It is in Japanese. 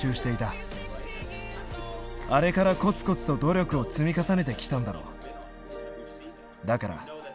あれからコツコツと努力を積み重ねてきたんだろう。